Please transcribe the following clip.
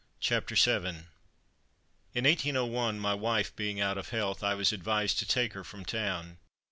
CHAPTER VII. In 1801, my wife being out of health, I was advised to take her from town.